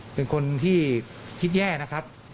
เป็นคนที่คิดแย่นะครับ